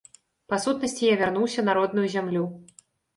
Па сутнасці, я вярнуўся на родную зямлю.